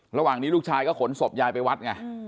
ระหว่างนี้ลูกชายก็ขนศพยายไปวัดไง